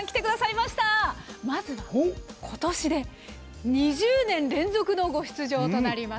まず、今年で２０年連続のご出場となります